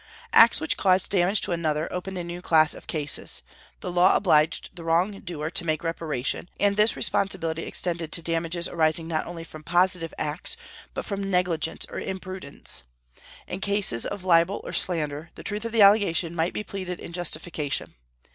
Acts which caused damage to another opened a new class of cases. The law obliged the wrong doer to make reparation, and this responsibility extended to damages arising not only from positive acts, but from negligence or imprudence. In cases of libel or slander, the truth of the allegation might be pleaded in justification.